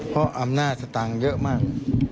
เพราะอำนาจสตางค์เยอะมาก